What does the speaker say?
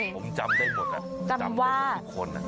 ผมจำได้หมดครับจำได้หมดทุกคน